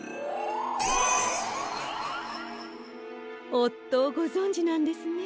おっとをごぞんじなんですね。